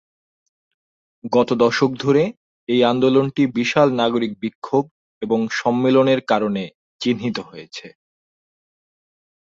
গত দশক ধরে এই আন্দোলনটি বিশাল নাগরিক বিক্ষোভ এবং সম্মেলনের কারণে চিহ্নিত হয়েছে।